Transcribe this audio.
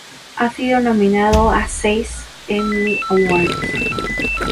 Ha sido nominado a seis Emmy Awards.